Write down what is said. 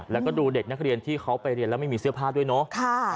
แล้วก็ดูเด็กนักเรียนที่เขาไปเรียนแล้วไม่มีเสื้อผ้าด้วยเนาะ